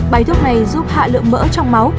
bài thuốc này giúp hạ lượng mỡ trong máu